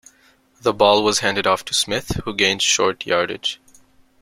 The ball was handed off to Smith, who gained short yardage.